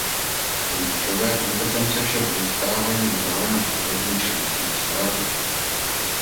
Klíčové kompetence však zůstávají nadále na úrovni členských států.